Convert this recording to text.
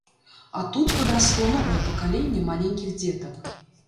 А тут падрасло новае пакаленне маленькіх дзетак.